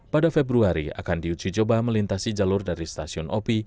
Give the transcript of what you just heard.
pada februari akan diuji coba melintasi jalur dari stasiun opi